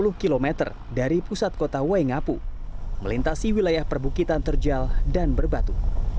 desa ini berjarak sekitar enam puluh km dari pusat kota wengapu melintasi wilayah perbukitan terjal dan berbatu